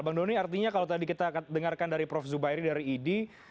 bang doni artinya kalau tadi kita dengarkan dari prof zubairi dari idi